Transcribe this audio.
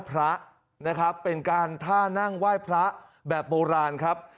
เป็นเป็นก็การท่านั่งไหว้พระแบบโบราณครับ